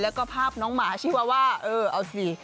แล้วก็ภาพน้องหมาชีวาว่าเออเอาสิ